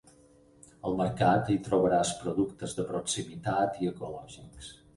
Al Mercat hi trobaràs productes de proximitat i ecològics.